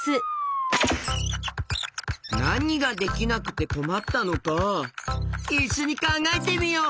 なにができなくてこまったのかいっしょにかんがえてみよう！